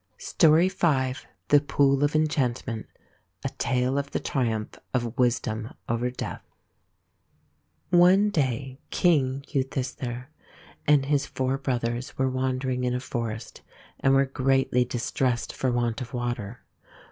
STORY V THE POOL OF ENCHANTMENT A Tale of the Triumph of Wisdom over Death 147 THE POOL OF ENCHANTMENT ONE day King Yudhisthir and his four brothers were wandering in a forest and were greatly distressed for want of water.